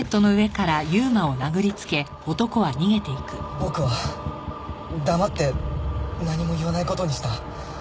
僕は黙って何も言わない事にした。